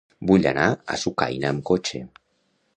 Vull anar a Sucaina amb cotxe.